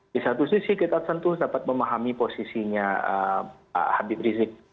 di satu sisi kita tentu dapat memahami posisinya pak habib rizik